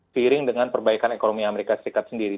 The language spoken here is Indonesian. seiring dengan perbaikan ekonomi amerika serikat sendiri